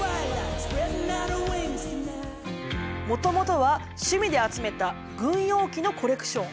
もともとは趣味で集めた軍用機のコレクション。